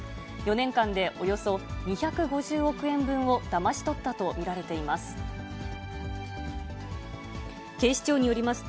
４年間でおよそ２５０億円分をだまし取ったと見られています。